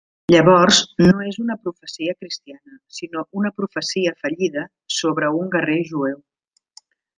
Llavors, no és una profecia cristiana, sinó una profecia fallida sobre un guerrer jueu.